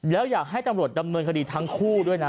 แล้วอยากให้ตำรวจดำเนินคดีทั้งคู่ด้วยนะ